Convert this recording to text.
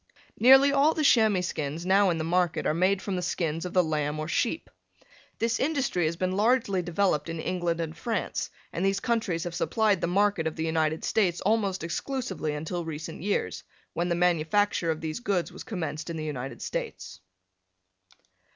Nearly all the chamois skins now in the market are made from the skins of the lamb or sheep. This industry has been largely developed in England and France, and these countries have supplied the market of the United States almost exclusively until recent years, when the manufacture of these goods was commenced in the United States.